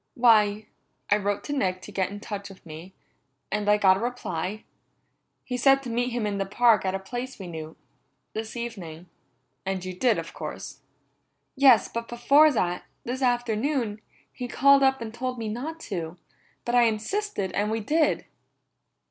"Why, I wrote Nick to get in touch with me, and I got a reply. He said to meet him in the park at a place we knew. This evening." "And you did, of course." "Yes, but before that, this afternoon, he called up and told me not to, but I insisted and we did."